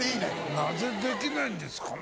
なぜできないんですかね